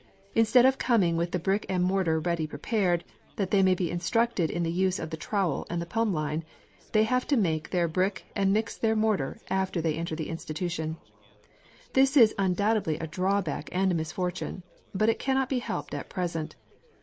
Instead of coming with their brick and mortar ready prepared, that they may be instructed in the use of the trowel and the plumb line, they have to make their brick and mix their mortar after they enter the institution. This is undoubtedly a drawback and a misfortune. But it cannot be helped at present.